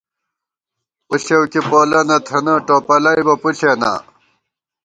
پُݪېؤ کی پولہ نہ تھنہ ، ٹوپَلئیبہ پُݪېناں